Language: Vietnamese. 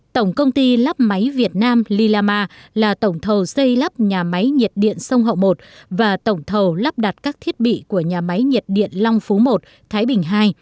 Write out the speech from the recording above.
tổng công ty lắp máy việt nam lilama là tổng thầu xây lắp nhà máy nhiệt điện sông hậu i và tổng thầu lắp đặt các thiết bị của nhà máy nhiệt điện long phú một thái bình ii